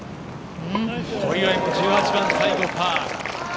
小祝も１８番、最後はパー。